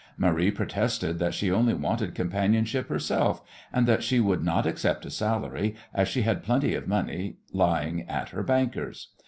Marie protested that she only wanted companionship herself, and that she would not accept a salary, as she had plenty of money lying at her bankers.